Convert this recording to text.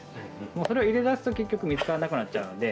それを入れ出すと結局見つからなくなっちゃうので。